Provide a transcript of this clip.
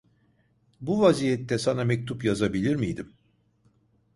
Bu vaziyette sana mektup yazabilir miydim?